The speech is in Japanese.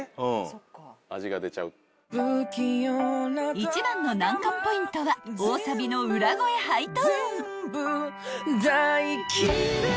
［一番の難関ポイントは大サビの裏声ハイトーン］